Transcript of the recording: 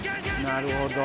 なるほど。